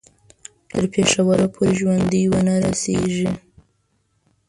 تر پېښوره پوري ژوندي ونه رسیږي.